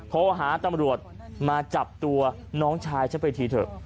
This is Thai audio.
เพราะว่าหาตำรวจมาจับตัวน้องชายซะไปทีเถอะ